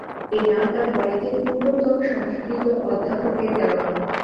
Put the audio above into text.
এ-নাম তার কলেজের পূর্বতন সংস্কৃত অধ্যাপকের দেওয়া।